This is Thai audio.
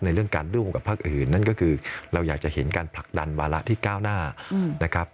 เรื่องการร่วมกับภาคอื่นนั่นก็คือเราอยากจะเห็นการผลักดันวาระที่ก้าวหน้านะครับ